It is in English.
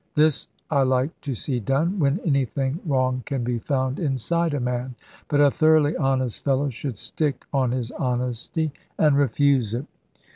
This I like to see done, when anything wrong can be found inside a man. But a thoroughly honest fellow should stick on his honesty, and refuse it.